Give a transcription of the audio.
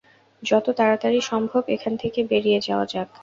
যত তাড়াতাড়ি সম্ভব এখান থেকে বেরিয়ে যাওয়া যাক।